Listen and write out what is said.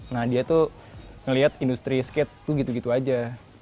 nah dia tuh ngeliat industri skate tuh gitu gitu aja